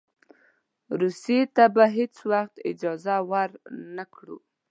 روسیې ته به هېڅ وخت اجازه ورنه کړو.